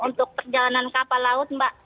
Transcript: untuk perjalanan kapal laut mbak